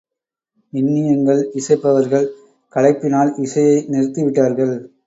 இன்னியங்கள் இசைப்பவர்கள் களைப்பினால் இசையை நிறுத்தி விட்டார்கள்.